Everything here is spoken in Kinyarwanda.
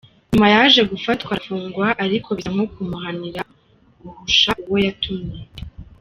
Nyuma yaje gufatwa arafungwa ariko bisa nko kumuhanira guhusha uwo yatumwe.